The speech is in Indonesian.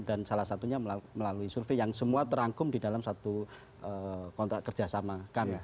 dan salah satunya melalui survei yang semua terangkum di dalam satu kontrak kerjasama kami